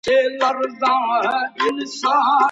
یوګا د روغتیا لپاره ګټوره ده؟